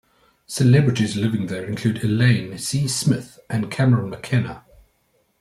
Celebrities living there include Elaine C. Smith and Cameron McKenna.